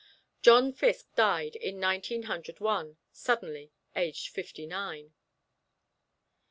John Fiske died in Nineteen Hundred One, suddenly, aged fifty nine.